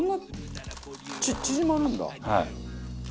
はい。